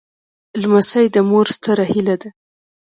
لمسی د مور ستره هيله ده.